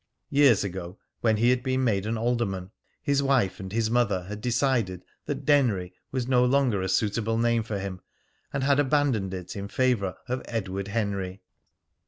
Years ago, when he had been made an alderman, his wife and his mother had decided that "Denry" was no longer a suitable name for him, and had abandoned it in favour of "Edward Henry."